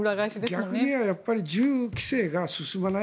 逆に言えば銃規制が進まない。